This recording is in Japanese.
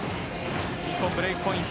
日本、ブレークポイント